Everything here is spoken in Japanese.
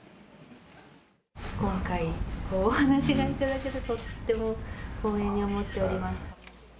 今回お話がいただけて、とっても光栄に思っております。